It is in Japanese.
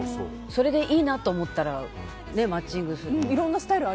それでいいなと思ったらマッチングする。